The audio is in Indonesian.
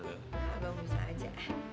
gak bang bisa aja